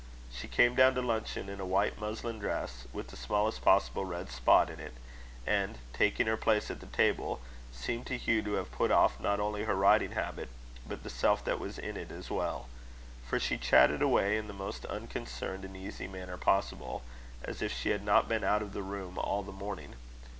She came down to luncheon in a white muslin dress, with the smallest possible red spot in it; and, taking her place at the table, seemed to Hugh to have put off not only her riding habit, but the self that was in it as well; for she chatted away in the most unconcerned and easy manner possible, as if she had not been out of her room all the morning.